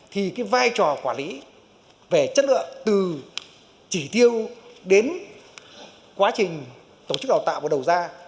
thì cái vai trò quản lý về chất lượng từ chỉ tiêu đến quá trình tổ chức đào tạo và đầu ra